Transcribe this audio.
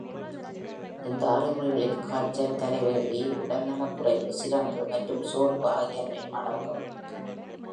இந்த அறிகுறிகளில் காய்ச்சல், தலைவலி, உடல்நலக்குறைவு, சிரங்கு மற்றும் சோர்வு ஆகியவையும் அடங்கும்.